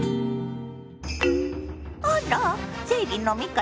あら正義の味方